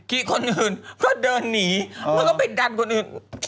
คนอื่นก็เดินหนีมันก็ไปดันคนอื่น